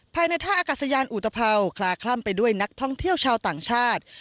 ภายในท่าอากาศยานอุตภัวคลาคล่ำไปด้วยนักท่องเที่ยวชาวต่างชาติ